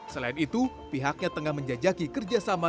selain itu pihaknya tengah menjajaki kerjasama